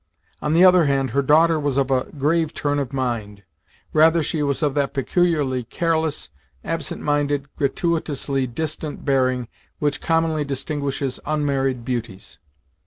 On the other hand, her daughter was of a grave turn of mind. Rather, she was of that peculiarly careless, absent minded, gratuitously distant bearing which commonly distinguishes unmarried beauties.